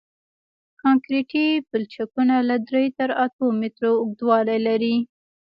کانکریټي پلچکونه له درې تر اتو مترو اوږدوالی لري